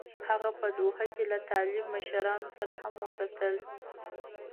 هغه په دوحه کې له طالب مشرانو سره هم وکتل.